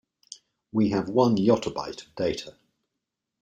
We have one yottabyte of data.